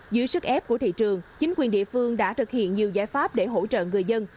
dưới sức ép của thị trường chính quyền địa phương đã thực hiện nhiều giải pháp để hỗ trợ người dân